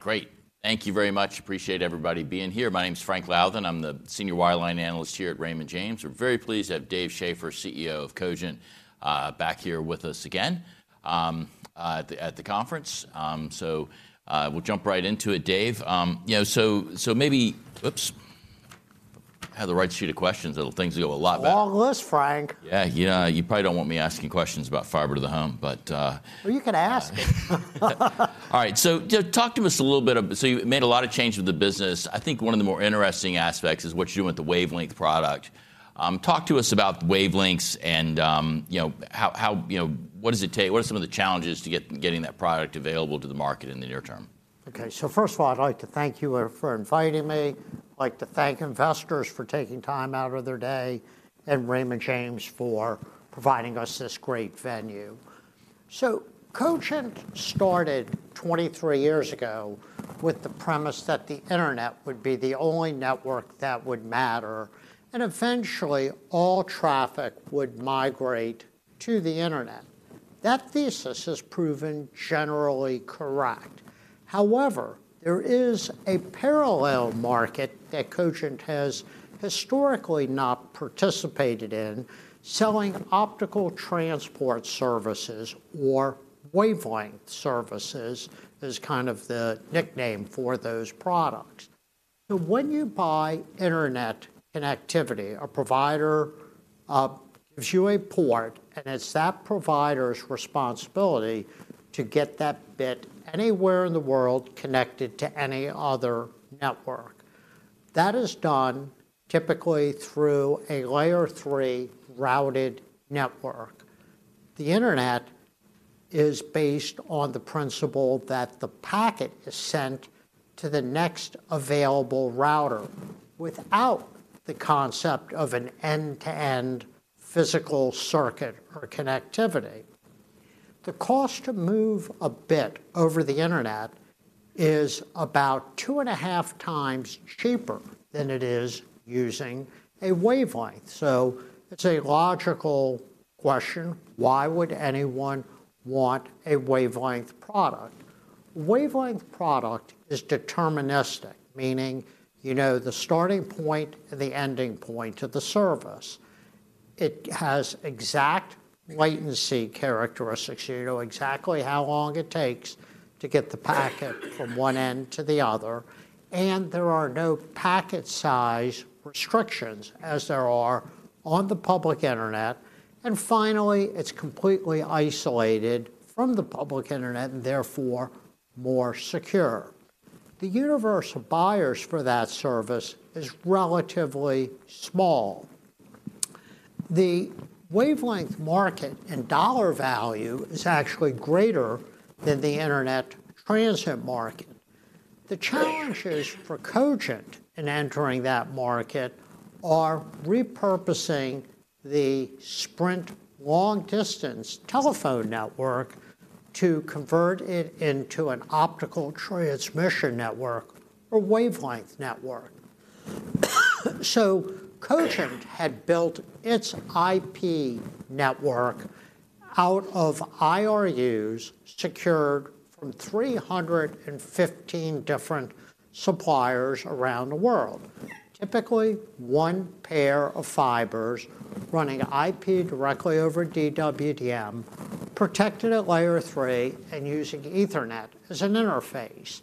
Great. Thank you very much. Appreciate everybody being here. My name is Frank Louthan. I'm the senior wireline analyst here at Raymond James. We're very pleased to have Dave Schaeffer, CEO of Cogent, back here with us again at the conference. We'll jump right into it, Dave. You know, maybe... Oops. Have the right sheet of questions, things will go a lot better. Long list, Frank. Yeah, yeah, you probably don't want me asking questions about fiber to the home, but. Well, you can ask me. All right, so just talk to us a little bit so you made a lot of changes with the business. I think one of the more interesting aspects is what you're doing with the wavelength product. Talk to us about wavelengths and, you know, how, how, you know, what does it take? What are some of the challenges to getting that product available to the market in the near term? Okay. So first of all, I'd like to thank you for inviting me. I'd like to thank investors for taking time out of their day, and Raymond James for providing us this great venue. So Cogent started 23 years ago with the premise that the internet would be the only network that would matter, and eventually, all traffic would migrate to the internet. That thesis has proven generally correct. However, there is a parallel market that Cogent has historically not participated in, selling optical transport services or wavelength services, as kind of the nickname for those products. So when you buy internet connectivity, a provider gives you a port, and it's that provider's responsibility to get that bit anywhere in the world connected to any other network. That is done typically through a Layer 3 routed network. The internet is based on the principle that the packet is sent to the next available router without the concept of an end-to-end physical circuit or connectivity. The cost to move a bit over the internet is about two and a half times cheaper than it is using a wavelength, so it's a logical question: Why would anyone want a wavelength product? Wavelength product is deterministic, meaning you know the starting point and the ending point of the service. It has exact latency characteristics. You know exactly how long it takes to get the packet from one end to the other, and there are no packet size restrictions as there are on the public internet. And finally, it's completely isolated from the public internet, and therefore, more secure. The universal buyers for that service is relatively small. The wavelength market and dollar value is actually greater than the internet transit market. The challenges for Cogent in entering that market are repurposing the Sprint long distance telephone network to convert it into an optical transmission network or wavelength network. So Cogent had built its IP network out of IRUs secured from 315 different suppliers around the world. Typically, one pair of fibers running IP directly over DWDM, protected at Layer Three, and using Ethernet as an interface.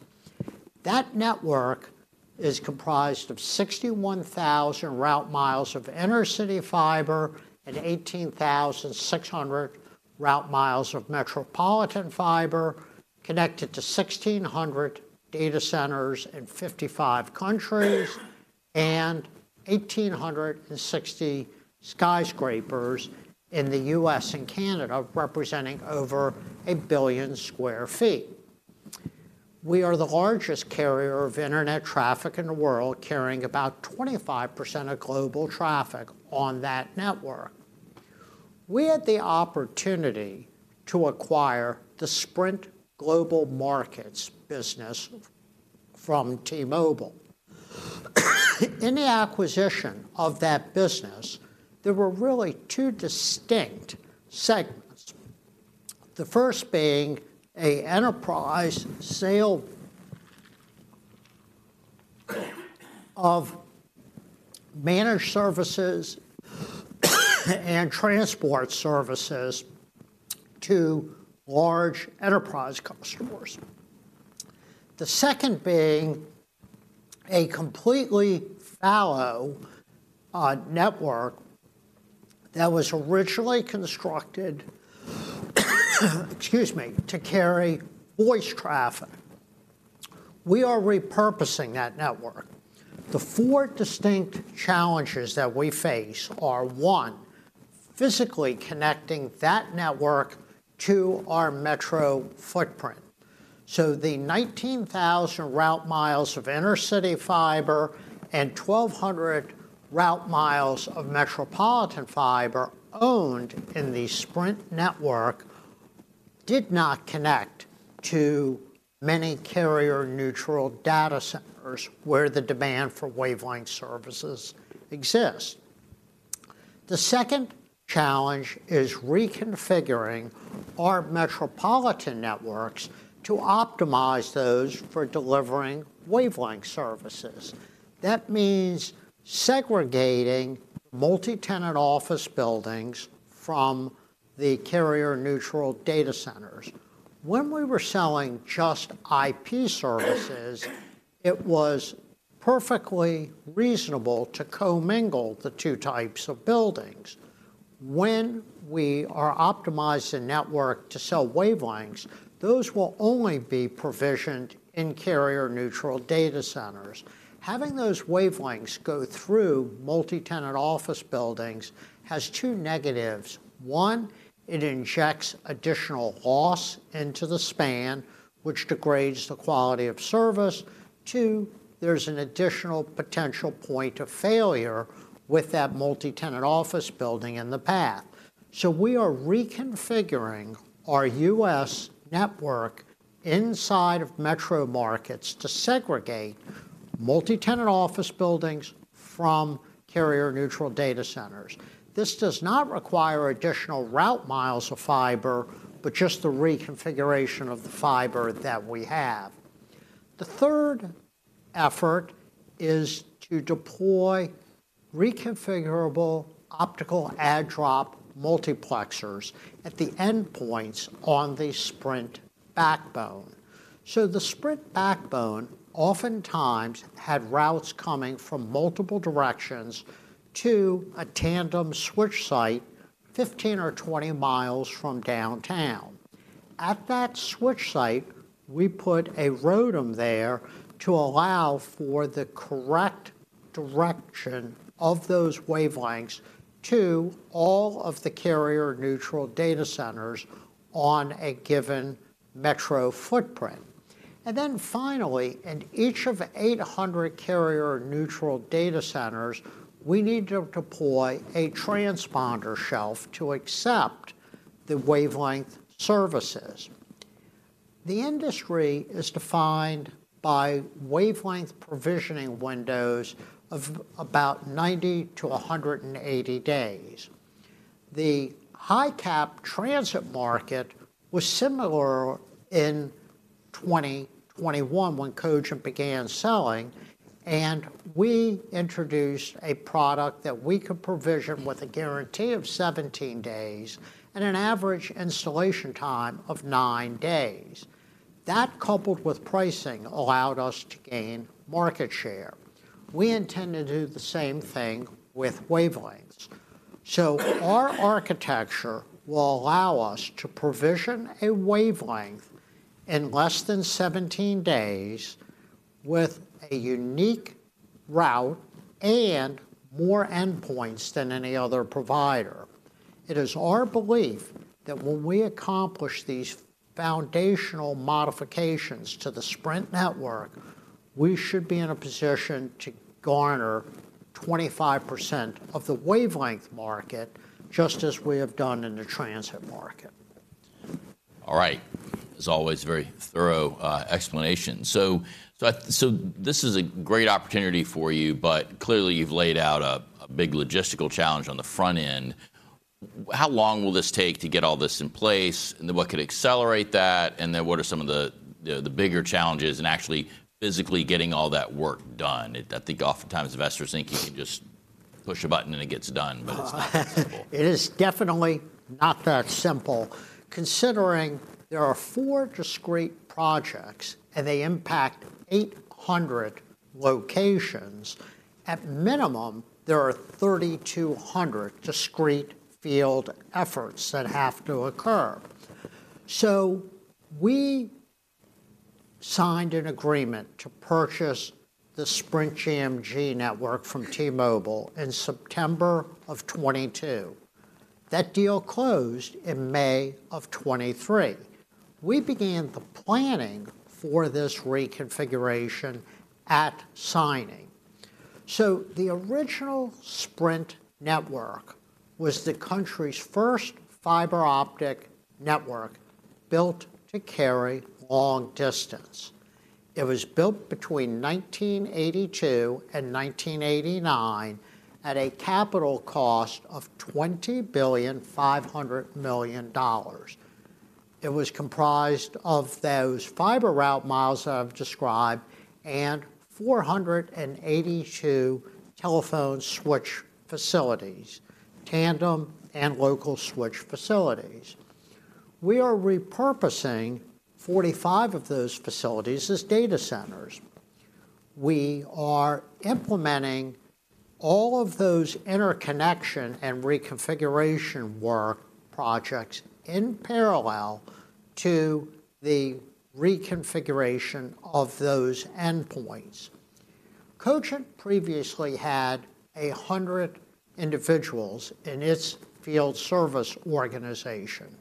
That network is comprised of 61,000 route miles of innercity fiber and 18,600 route miles of metropolitan fiber, connected to 1,600 data centers in 55 countries, and 1,860 skyscrapers in the U.S. and Canada, representing over a billion sq ft. We are the largest carrier of internet traffic in the world, carrying about 25% of global traffic on that network. We had the opportunity to acquire the Sprint Global Markets business from T-Mobile. In the acquisition of that business, there were really two distinct segments. The first being a enterprise sale of managed services and transport services to large enterprise customers. The second being a completely fallow network that was originally constructed to carry voice traffic. We are repurposing that network. The four distinct challenges that we face are: one, physically connecting that network to our metro footprint. So the 19,000 route miles of innercity fiber and 1,200 route miles of metropolitan fiber owned in the Sprint network did not connect to many carrier-neutral data centers, where the demand for wavelength services exist.... The second challenge is reconfiguring our metropolitan networks to optimize those for delivering wavelength services. That means segregating multi-tenant office buildings from the carrier-neutral data centers. When we were selling just IP services, it was perfectly reasonable to commingle the two types of buildings. When we are optimizing the network to sell wavelengths, those will only be provisioned in carrier-neutral data centers. Having those wavelengths go through multi-tenant office buildings has two negatives. One, it injects additional loss into the span, which degrades the quality of service. Two, there's an additional potential point of failure with that multi-tenant office building in the path. So we are reconfiguring our U.S. network inside of metro markets to segregate multi-tenant office buildings from carrier-neutral data centers. This does not require additional route miles of fiber, but just the reconfiguration of the fiber that we have. The third effort is to deploy reconfigurable optical add-drop multiplexers at the endpoints on the Sprint backbone. So the Sprint backbone oftentimes had routes coming from multiple directions to a tandem switch site 15 or 20 miles from downtown. At that switch site, we put a ROADM there to allow for the correct direction of those wavelengths to all of the carrier-neutral data centers on a given metro footprint. And then finally, in each of 800 carrier-neutral data centers, we need to deploy a transponder shelf to accept the wavelength services. The industry is defined by wavelength provisioning windows of about 90-180 days. The high-cap transit market was similar in 2021 when Cogent began selling, and we introduced a product that we could provision with a guarantee of 17 days and an average installation time of nine days. That, coupled with pricing, allowed us to gain market share. We intend to do the same thing with wavelengths. So, our architecture will allow us to provision a wavelength in less than 17 days with a unique route and more endpoints than any other provider. It is our belief that when we accomplish these foundational modifications to the Sprint network, we should be in a position to garner 25% of the wavelength market, just as we have done in the transit market. All right. As always, a very thorough explanation. So this is a great opportunity for you, but clearly, you've laid out a big logistical challenge on the front end. How long will this take to get all this in place? And then, what could accelerate that, and then, what are some of the bigger challenges in actually, physically getting all that work done? I think oftentimes investors think you can just push a button, and it gets done, but it's not that simple. It is definitely not that simple. Considering there are four discrete projects, and they impact 800 locations, at minimum, there are 3,200 discrete field efforts that have to occur. So we signed an agreement to purchase the Sprint GMG network from T-Mobile in September of 2022. That deal closed in May of 2023. We began the planning for this reconfiguration at signing. So the original Sprint network was the country's first fiber optic network built to carry long distance. It was built between 1982 and 1989 at a capital cost of $20.5 billion. It was comprised of those fiber route miles that I've described and 482 telephone switch facilities, tandem and local switch facilities. We are repurposing 45 of those facilities as data centers. We are implementing all of those interconnection and reconfiguration work projects in parallel to the reconfiguration of those endpoints. Cogent previously had 100 individuals in its field service organization.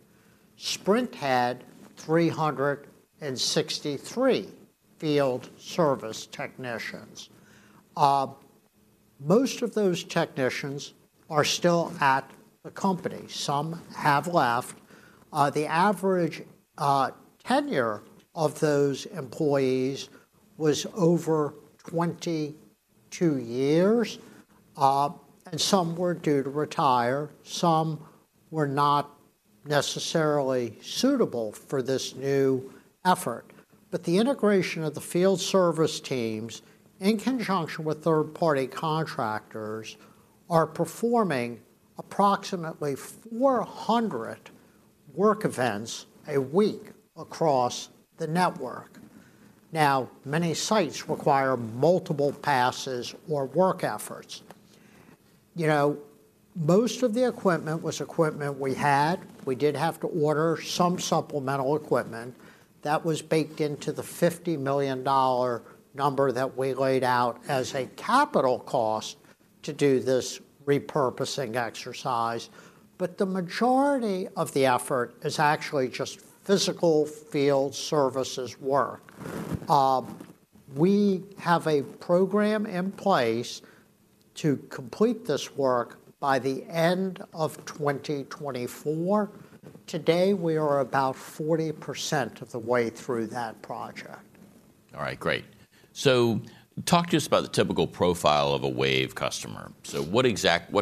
Sprint had 363 field service technicians. Most of those technicians are still at the company. Some have left. The average tenure of those employees was over 22 years. And some were due to retire, some were not necessarily suitable for this new effort. But the integration of the field service teams, in conjunction with third-party contractors, are performing approximately 400 work events a week across the network. Now, many sites require multiple passes or work efforts. You know, most of the equipment was equipment we had. We did have to order some supplemental equipment. That was baked into the $50 million number that we laid out as a capital cost to do this repurposing exercise, but the majority of the effort is actually just physical field services work. We have a program in place to complete this work by the end of 2024. Today, we are about 40% of the way through that project. All right, great. So talk to us about the typical profile of a wave customer. So what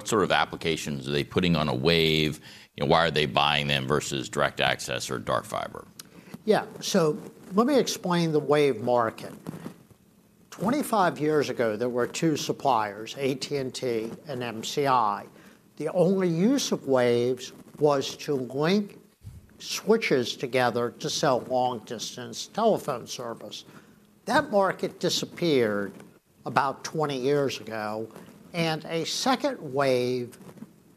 sort of applications are they putting on a wave? And why are they buying them versus direct access or dark fiber? Yeah. So let me explain the wave market. 25 years ago, there were two suppliers, AT&T and MCI. The only use of waves was to link switches together to sell long-distance telephone service. That market disappeared about 20 years ago, and a second wave,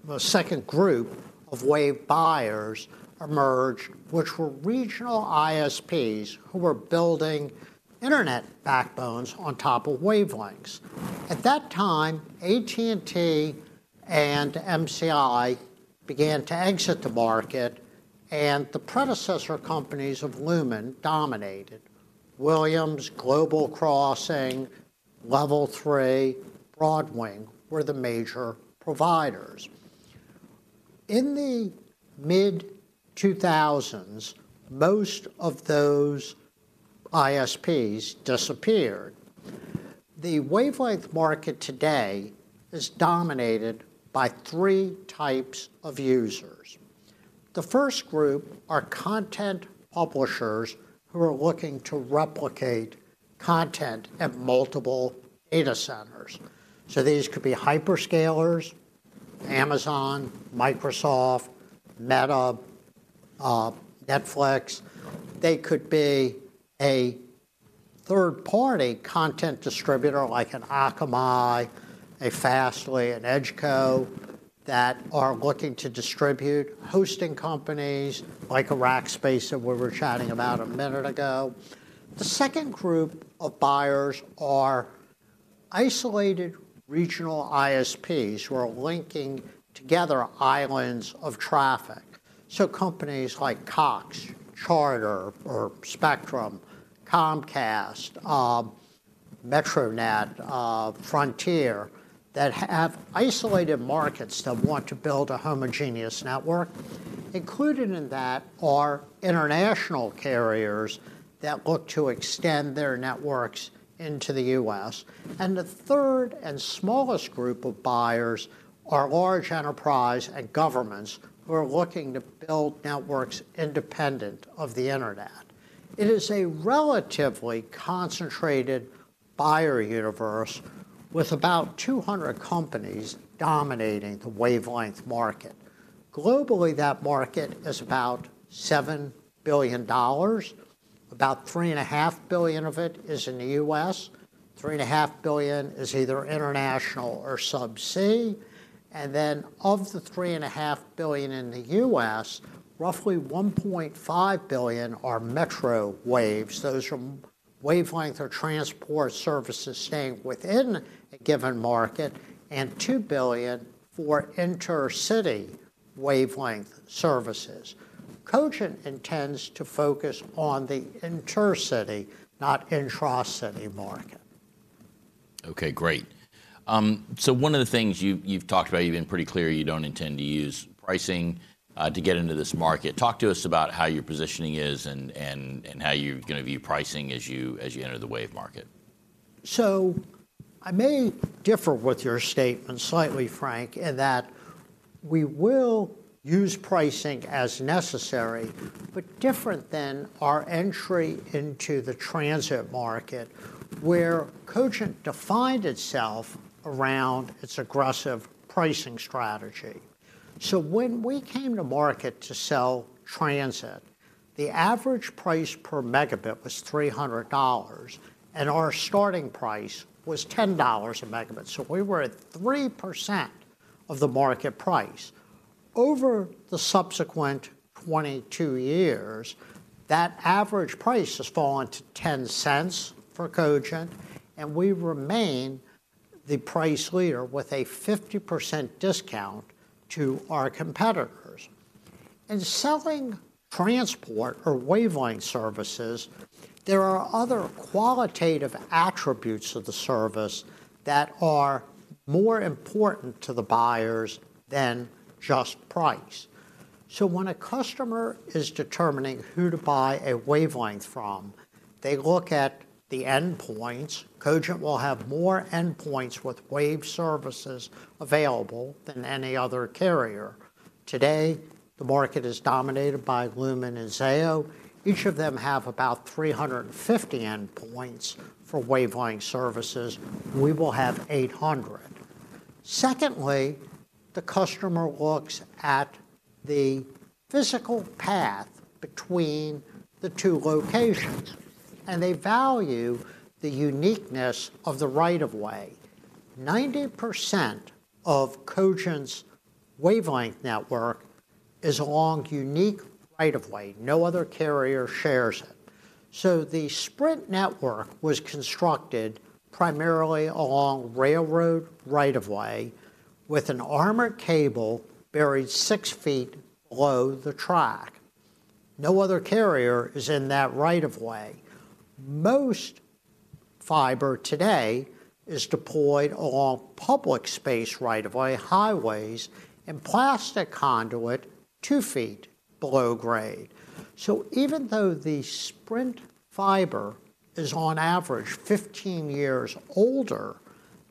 or a second group, of wave buyers emerged, which were regional ISPs, who were building internet backbones on top of wavelengths. At that time, AT&T and MCI began to exit the market, and the predecessor companies of Lumen dominated. Williams, Global Crossing, Level 3, Broadwing, were the major providers. In the mid-2000s, most of those ISPs disappeared. The wavelength market today is dominated by three types of users. The first group are content publishers who are looking to replicate content at multiple data centers. So these could be hyperscalers, Amazon, Microsoft, Meta, Netflix. They could be a third-party content distributor, like an Akamai, a Fastly, an EdgeCo, that are looking to distribute hosting companies, like a Rackspace, that we were chatting about a minute ago. The second group of buyers are isolated regional ISPs, who are linking together islands of traffic. So companies like Cox, Charter, or Spectrum, Comcast, MetroNet, Frontier, that have isolated markets that want to build a homogeneous network. Included in that are international carriers that look to extend their networks into the U.S. And the third and smallest group of buyers are large enterprise and governments who are looking to build networks independent of the internet. It is a relatively concentrated buyer universe, with about 200 companies dominating the wavelength market. Globally, that market is about $7 billion. About $3.5 billion of it is in the US, $3.5 billion is either international or subsea. And then, of the $3.5 billion in the US, roughly $1.5 billion are metro waves. Those are wavelength or transport services staying within a given market, and $2 billion for intercity wavelength services. Cogent intends to focus on the intercity, not intra-city market. Okay, great. So one of the things you've talked about, you've been pretty clear you don't intend to use pricing to get into this market. Talk to us about how your positioning is and how you're gonna view pricing as you enter the wave market. So I may differ with your statement slightly, Frank, in that we will use pricing as necessary, but different than our entry into the transit market, where Cogent defined itself around its aggressive pricing strategy. So when we came to market to sell transit, the average price per megabit was $300, and our starting price was $10 a megabit, so we were at 3% of the market price. Over the subsequent 22 years, that average price has fallen to $0.10 for Cogent, and we remain the price leader with a 50% discount to our competitors. In selling transport or wavelength services, there are other qualitative attributes of the service that are more important to the buyers than just price. So when a customer is determining who to buy a wavelength from, they look at the endpoints. Cogent will have more endpoints with wave services available than any other carrier. Today, the market is dominated by Lumen and Zayo. Each of them have about 350 endpoints for wavelength services, we will have 800. Secondly, the customer looks at the physical path between the two locations, and they value the uniqueness of the right of way. 90% of Cogent's wavelength network is along unique right of way. No other carrier shares it. So the Sprint network was constructed primarily along railroad right of way, with an armored cable buried 6 feet below the track. No other carrier is in that right of way. Most fiber today is deployed along public space right of way, highways, and plastic conduit 2 feet below grade. So even though the Sprint fiber is, on average, 15 years older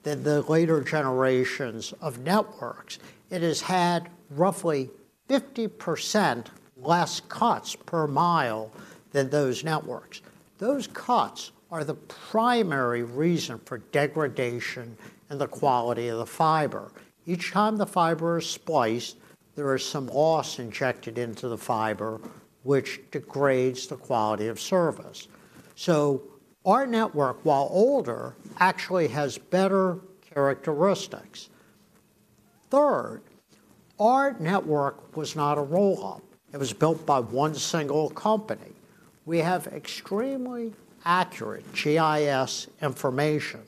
than the later generations of networks, it has had roughly 50% less cuts per mile than those networks. Those cuts are the primary reason for degradation in the quality of the fiber. Each time the fiber is spliced, there is some loss injected into the fiber, which degrades the quality of service. So our network, while older, actually has better characteristics. Third, our network was not a roll-up. It was built by one single company. We have extremely accurate GIS information,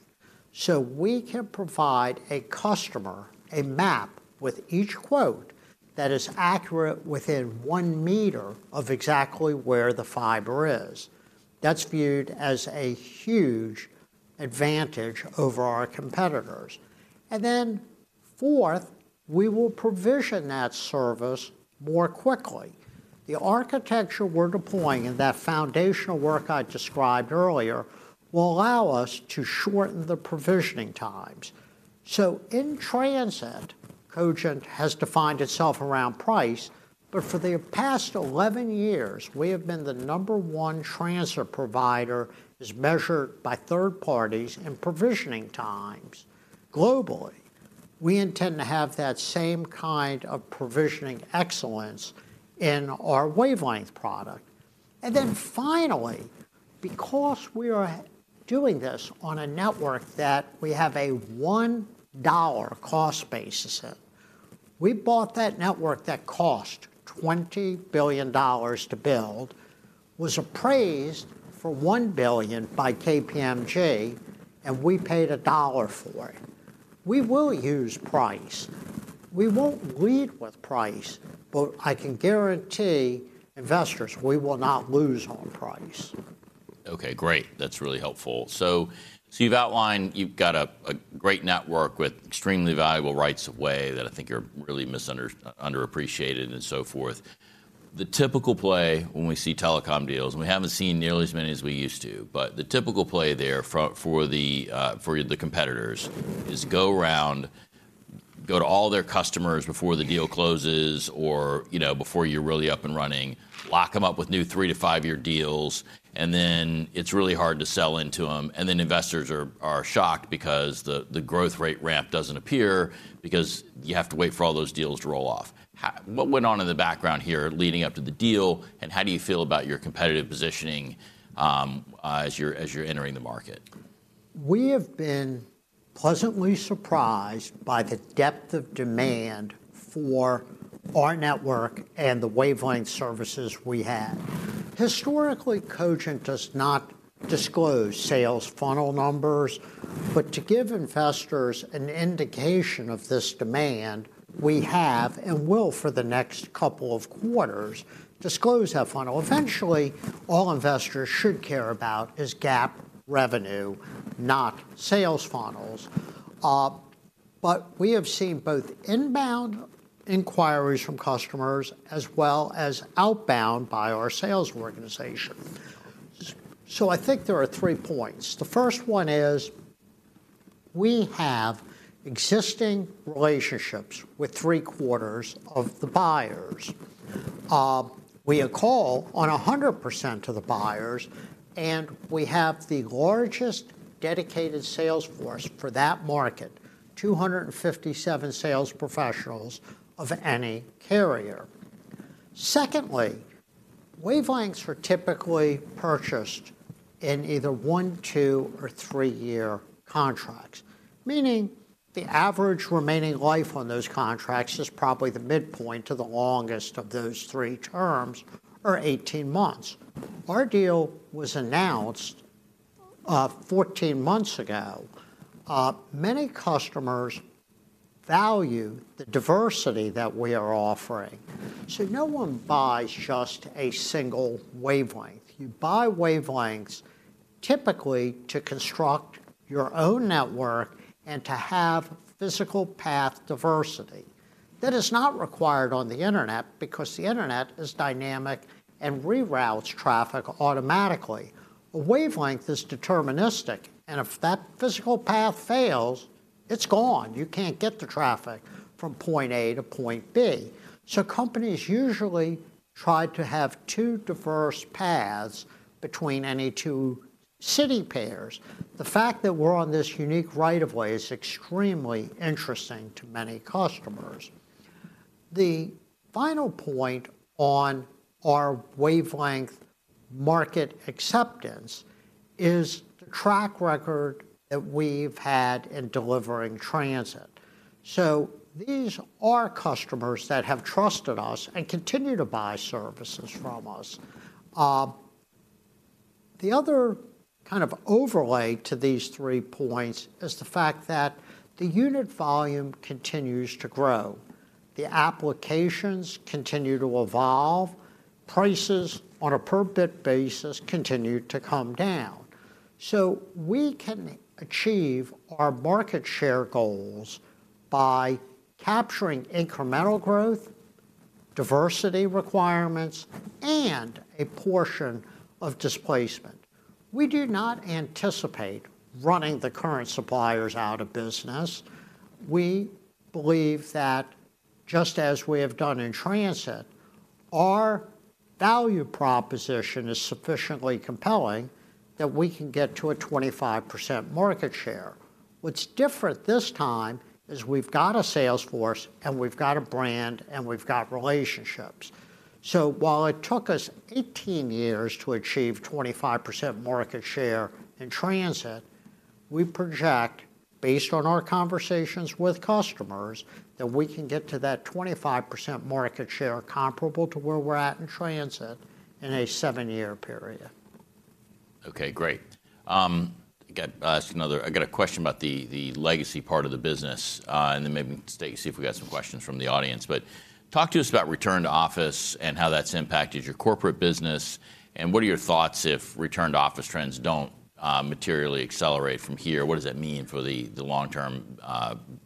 so we can provide a customer a map with each quote that is accurate within one meter of exactly where the fiber is. That's viewed as a huge advantage over our competitors. And then, fourth, we will provision that service more quickly. The architecture we're deploying, and that foundational work I described earlier, will allow us to shorten the provisioning times. So in transit, Cogent has defined itself around price, but for the past 11 years, we have been the No. 1 transit provider, as measured by third parties in provisioning times globally. We intend to have that same kind of provisioning excellence in our wavelength product. And then finally, because we are doing this on a network that we have a $1 cost basis in, we bought that network that cost $20 billion to build, was appraised for $1 billion by KPMG, and we paid a $1 for it. We will use price. We won't lead with price, but I can guarantee investors we will not lose on price. Okay, great. That's really helpful. So, so you've outlined... You've got a great network with extremely valuable rights of way that I think are really misunderstood and underappreciated and so forth. The typical play when we see telecom deals, and we haven't seen nearly as many as we used to, but the typical play there for the competitors is go around, go to all their customers before the deal closes or, you know, before you're really up and running, lock them up with new three- to five-year deals, and then it's really hard to sell into them. And then investors are shocked because the growth rate ramp doesn't appear because you have to wait for all those deals to roll off. What went on in the background here leading up to the deal, and how do you feel about your competitive positioning, as you're entering the market? We have been pleasantly surprised by the depth of demand for our network and the wavelength services we have. Historically, Cogent does not disclose sales funnel numbers, but to give investors an indication of this demand, we have, and will for the next couple of quarters, disclose that funnel. Eventually, all investors should care about is GAAP revenue, not sales funnels. But we have seen both inbound inquiries from customers, as well as outbound by our sales organization. So I think there are three points. The first one is, we have existing relationships with three-quarters of the buyers. We call on 100% of the buyers, and we have the largest dedicated sales force for that market, 257 sales professionals, of any carrier. Secondly, wavelengths are typically purchased in either 1, 2, or 3-year contracts, meaning the average remaining life on those contracts is probably the midpoint to the longest of those three terms, or 18 months. Our deal was announced 14 months ago. Many customers value the diversity that we are offering. So no one buys just a single wavelength. You buy wavelengths typically to construct your own network and to have physical path diversity. That is not required on the internet, because the internet is dynamic and reroutes traffic automatically. A wavelength is deterministic, and if that physical path fails, it's gone. You can't get the traffic from point A to point B. So companies usually try to have 2 diverse paths between any two city pairs. The fact that we're on this unique right of way is extremely interesting to many customers. The final point on our wavelength market acceptance is the track record that we've had in delivering transit. So these are customers that have trusted us and continue to buy services from us. The other kind of overlay to these three points is the fact that the unit volume continues to grow, the applications continue to evolve, prices on a per-bit basis continue to come down. So we can achieve our market share goals by capturing incremental growth, diversity requirements, and a portion of displacement. We do not anticipate running the current suppliers out of business. We believe that, just as we have done in transit, our value proposition is sufficiently compelling that we can get to a 25% market share. What's different this time is we've got a sales force, and we've got a brand, and we've got relationships. While it took us 18 years to achieve 25% market share in transit, we project, based on our conversations with customers, that we can get to that 25% market share comparable to where we're at in transit in a 7-year period. Okay, great. I got a question about the legacy part of the business, and then maybe stay and see if we got some questions from the audience. But talk to us about return to office and how that's impacted your corporate business, and what are your thoughts if return to office trends don't materially accelerate from here? What does that mean for the long-term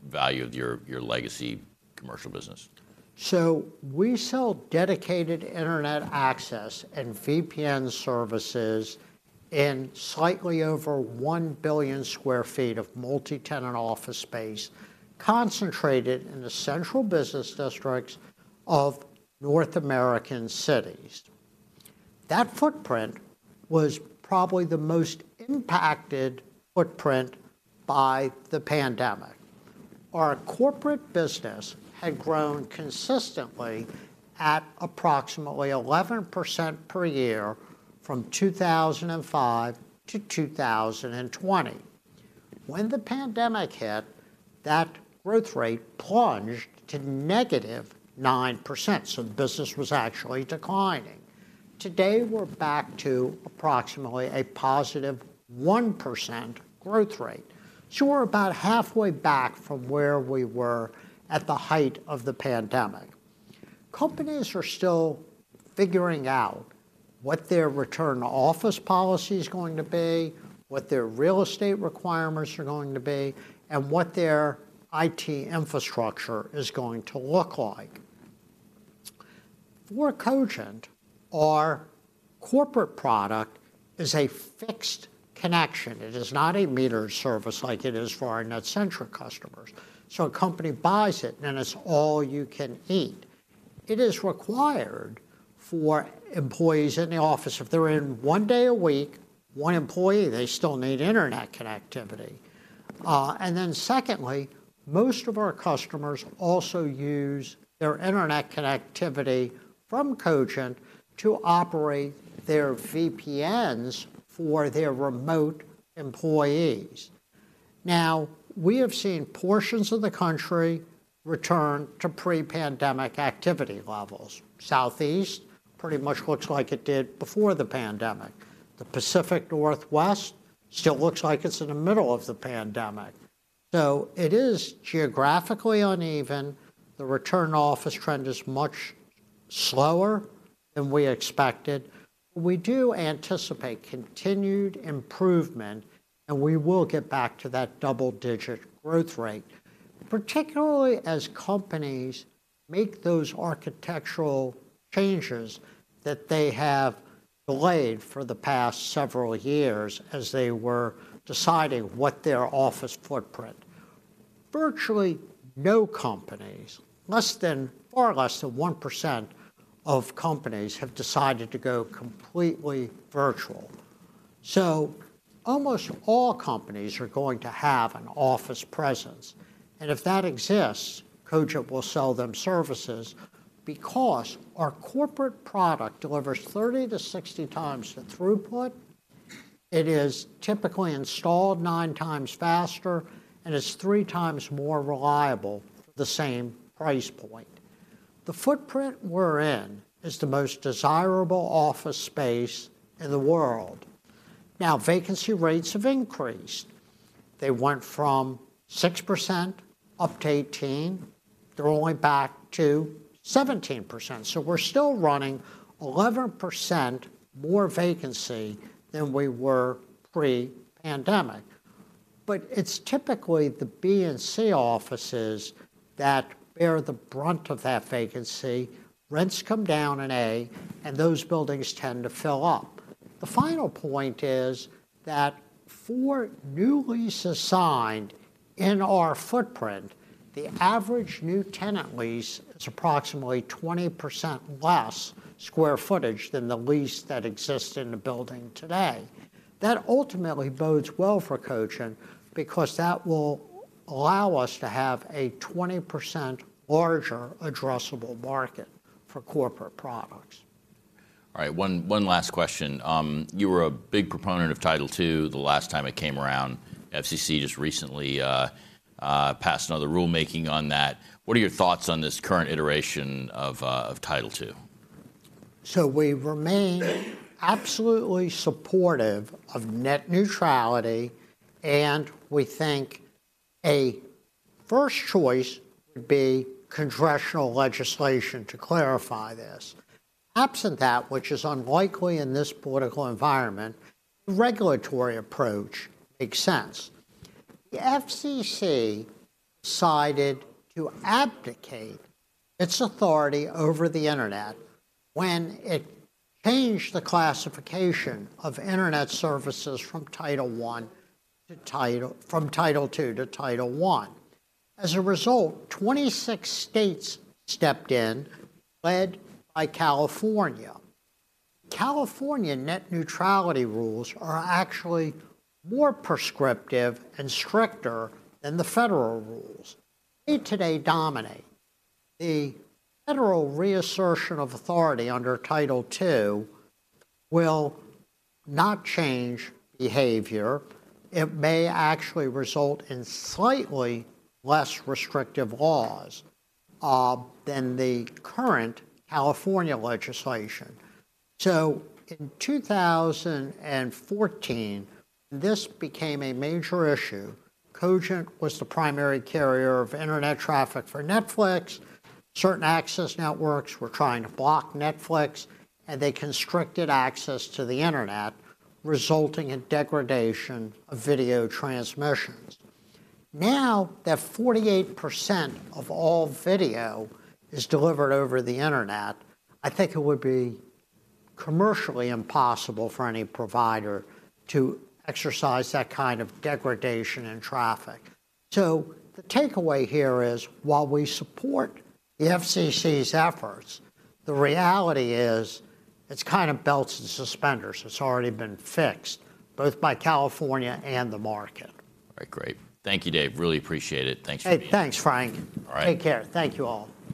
value of your legacy commercial business? So we sell dedicated internet access and VPN services in slightly over 1 billion sq ft of multi-tenant office space, concentrated in the central business districts of North American cities. That footprint was probably the most impacted footprint by the pandemic. Our corporate business had grown consistently at approximately 11% per year from 2005 to 2020. When the pandemic hit, that growth rate plunged to -9%, so the business was actually declining. Today, we're back to approximately a +1% growth rate. So we're about halfway back from where we were at the height of the pandemic. Companies are still figuring out what their return-to-office policy is going to be, what their real estate requirements are going to be, and what their IT infrastructure is going to look like. For Cogent, our corporate product is a fixed connection. It is not a metered service like it is for our NetCentric customers. So a company buys it, and it's all you can eat. It is required for employees in the office. If they're in one day a week, one employee, they still need Internet connectivity. And then secondly, most of our customers also use their Internet connectivity from Cogent to operate their VPNs for their remote employees. Now, we have seen portions of the country return to pre-pandemic activity levels. Southeast pretty much looks like it did before the pandemic. The Pacific Northwest still looks like it's in the middle of the pandemic. So it is geographically uneven. The return-to-office trend is much slower than we expected. We do anticipate continued improvement, and we will get back to that double-digit growth rate, particularly as companies make those architectural changes that they have delayed for the past several years as they were deciding what their office footprint. Virtually no companies, less than, far less than 1% of companies have decided to go completely virtual. So almost all companies are going to have an office presence, and if that exists, Cogent will sell them services because our corporate product delivers 30-60 times the throughput, it is typically installed 9 times faster, and it's 3 times more reliable, the same price point. The footprint we're in is the most desirable office space in the world. Now, vacancy rates have increased. They went from 6% up to 18%. They're only back to 17%, so we're still running 11% more vacancy than we were pre-pandemic. But it's typically the B and C offices that bear the brunt of that vacancy. Rents come down in A, and those buildings tend to fill up. The final point is that for new leases signed in our footprint, the average new tenant lease is approximately 20% less square footage than the lease that exists in the building today. That ultimately bodes well for Cogent, because that will allow us to have a 20% larger addressable market for corporate products. All right, one last question. You were a big proponent of Title II the last time it came around. FCC just recently passed another rulemaking on that. What are your thoughts on this current iteration of Title II? So we remain absolutely supportive of net neutrality, and we think a first choice would be congressional legislation to clarify this. Absent that, which is unlikely in this political environment, the regulatory approach makes sense. The FCC decided to abdicate its authority over the internet when it changed the classification of internet services from Title I to Title... from Title II to Title I. As a result, 26 states stepped in, led by California. California net neutrality rules are actually more prescriptive and stricter than the federal rules. They today dominate. The federal reassertion of authority under Title II will not change behavior. It may actually result in slightly less restrictive laws, than the current California legislation. So in 2014, this became a major issue. Cogent was the primary carrier of internet traffic for Netflix. Certain access networks were trying to block Netflix, and they constricted access to the internet, resulting in degradation of video transmissions. Now that 48% of all video is delivered over the internet, I think it would be commercially impossible for any provider to exercise that kind of degradation in traffic. So the takeaway here is, while we support the FCC's efforts, the reality is it's kind of belts and suspenders. It's already been fixed, both by California and the market. All right, great. Thank you, Dave. Really appreciate it. Thanks for being here. Hey, thanks, Frank. All right. Take care. Thank you, all.